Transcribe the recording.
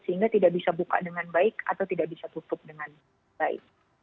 sehingga tidak bisa buka dengan baik atau tidak bisa tutup dengan baik